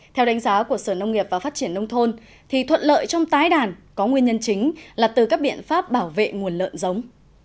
theo đánh giá của sở nông nghiệp và phát triển nông thôn thuận lợi trong tái đàn có nguyên nhân chính là từ các biện pháp bảo vệ nguồn lợn giống